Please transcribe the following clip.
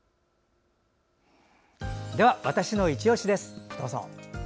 では「＃わたしのいちオシ」です。